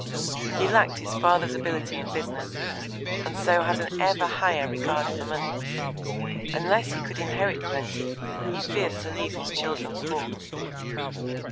He lacked his father's ability in business, and so had an ever higher regard for money; unless he could inherit plenty, he feared to leave his children poor.